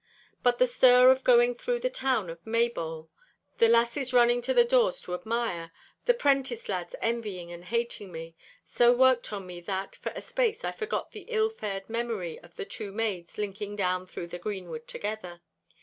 But the stir of going through the town of Maybole—the lasses running to the doors to admire, the 'prentice lads envying and hating me, so worked on me that, for a space, I forgot the ill fared memory of the two maids linking down though the greenwood together.